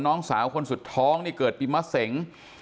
น้องสาวคนสุดท้องนี่เกิดปีมะเสง